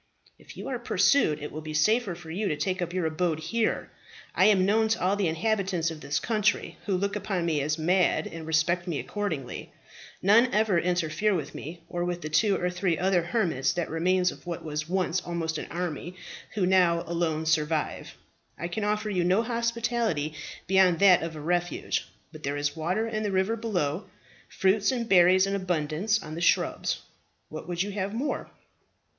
"If you are pursued, it will be safer for you to take up your abode here. I am known to all the inhabitants of this country, who look upon me as mad, and respect me accordingly. None ever interfere with me, or with the two or three other hermits, the remains of what was once almost an army, who now alone survive. I can offer you no hospitality beyond that of a refuge; but there is water in the river below, fruits and berries in abundance on the shrubs. What would you have more?"